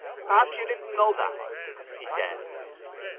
—Perhaps you didn't know that, he said.